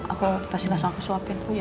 aku kasih langsung aku suapin